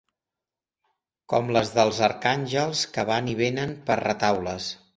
...com les dels arcàngels que van i vénen pels retaules